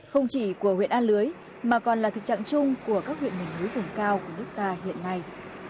không chỉ của huyện a lưới mà còn là thực trạng chung của các huyện miền núi vùng cao của nước ta hiện nay